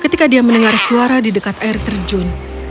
ketika dia mendengar suara di dekat air terjun